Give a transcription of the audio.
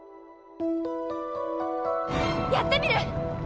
やってみる！